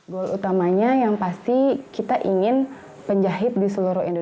บัวอุตมัยอย่างคิดว่าเราอยากเป็นยาฮิตทุกคนทุกคน